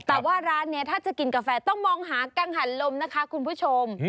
แต่ว่าร้านนี้ถ้าจะกินกาแฟต้องมองหากังหันลมนะคะคุณผู้ชม